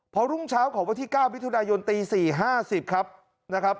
พอรุ่งเช้าของวันที่เก้าวิทยุณายนตีสี่ห้าสิบครับนะครับ